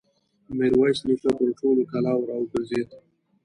ميرويس نيکه پر ټولو کلاوو را وګرځېد.